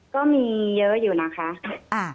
ก็มีเยอะอยู่นะคะ